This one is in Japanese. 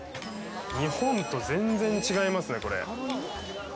日本と全然違いますね、これ。